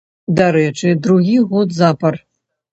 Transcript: Дарэчы, другі год запар.